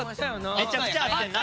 めちゃくちゃあったやんな。